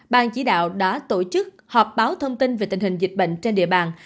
ban chỉ đạo đã tổ chức họp báo thông tin về tình hình dịch bệnh trên địa bàn